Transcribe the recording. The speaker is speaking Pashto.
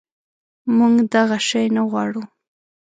منږ دغه شی نه غواړو